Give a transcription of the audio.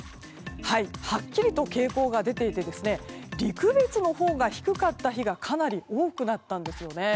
はっきりと傾向が出ていて陸別のほうが低かった日がかなり多くなったんですね。